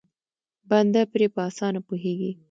بنده پرې په اسانه پوهېږي.